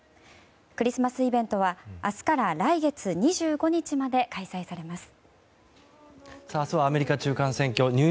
クリスマスイベントは明日から来月２５日まで開催されます。